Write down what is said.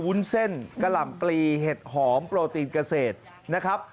วุ้นเส้นกะหล่ำปลีเห็ดหอมโปรตีนเกษตรนะครับ